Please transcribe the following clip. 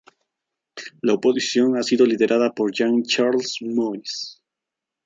La oposición ha sido liderada por Jean-Charles Moïse.